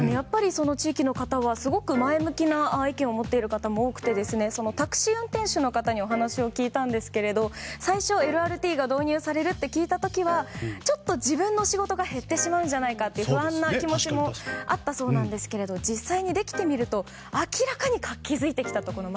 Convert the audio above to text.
その地域の方はすごく前向きな意見を持っている方も多くてタクシー運転手の方にお話を聞いたんですけれども最初、ＬＲＴが導入されると聞いた時はちょっと自分の仕事が減ってしまうんじゃないかという不安な気持ちもあったそうですが実際にできてみると、明らかに街が活気づいてきたと。